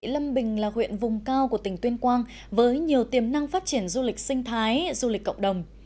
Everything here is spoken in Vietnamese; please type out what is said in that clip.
lâm bình là huyện vùng cao của tỉnh tuyên quang với nhiều tiềm năng phát triển du lịch sinh thái du lịch cộng đồng